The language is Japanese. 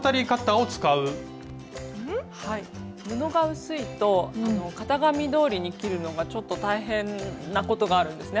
布が薄いと型紙どおりに切るのがちょっと大変なことがあるんですね。